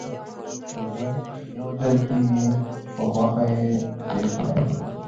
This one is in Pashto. ژوند يوځل کېږي نو په خوښۍ يې تېر کړئ